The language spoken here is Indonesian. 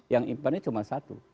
yang impannya cuma satu